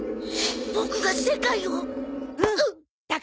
ボクが世界を！？